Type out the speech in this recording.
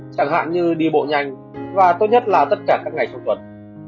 chẳng hạn như đi bộ nhanh và tốt nhất là tất cả các ngày trong tuần